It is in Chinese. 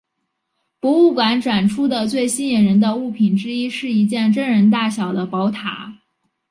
博物馆展出的最吸引人的物品之一是一件真人大小的宝塔。